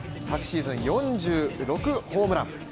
昨シーズン４６ホームラン。